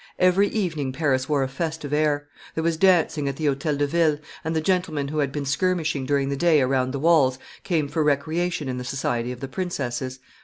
Every evening Paris wore a festive air; there was dancing at the Hotel de Ville, and the gentlemen who had been skirmishing during the day around the walls came for recreation in the society of the princesses.